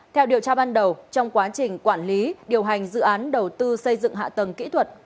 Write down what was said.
theo điều tra ban đầu trong quá trình quản lý điều hành dự án đầu tư xây dựng hạ tầng kỹ thuật